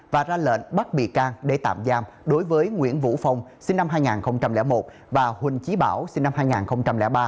và ra lệnh bắt bị can để tạm giam đối với nguyễn vũ phong sinh năm hai nghìn một và huỳnh trí bảo sinh năm hai nghìn ba